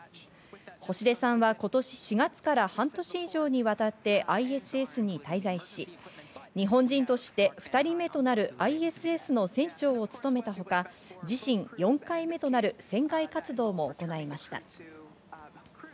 星出さんは今年４月から半年以上にわたってＩＳＳに滞在し、日本人として２人目となるＩＳＳの船長を務めたほか、自身４回目となる船外活動も行いました。